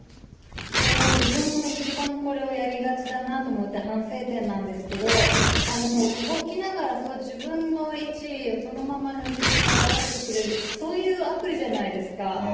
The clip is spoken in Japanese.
これ自分も一番これをやりがちだなと思って反省点なんですけど、でも、動きながら、自分の位置そのまま如実に、表してくれる、そういうアプリじゃないですか。